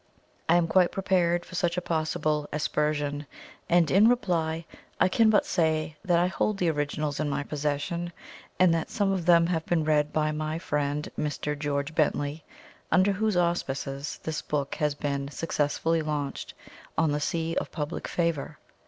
I am quite prepared for such a possible aspersion, and in reply, I can but say that I hold the originals in my possession, and that some of them have been read by my friend Mr. George Bentley, under whose auspices this book has been successfully launched on the sea of public favour.